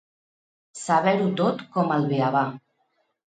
Saber-ho tot com el beabà